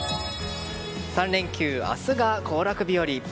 ３連休、明日が行楽日和。